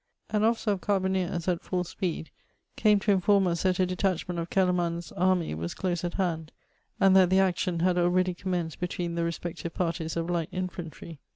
An officer of carbineers, at full speed, came to inform us that a detachment of Kellermann's army was close at hand, and that the action had already commenced between the respective parties of light infantry.